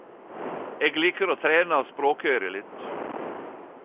Eg liker å trena språkøyret litt!